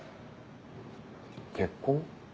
結婚？